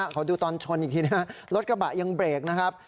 ขอดูตอนชนอีกทีนะรถกระบะยังเบรกนะครับ